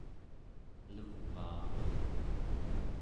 levaaq